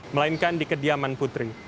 melainkan di kediaman putri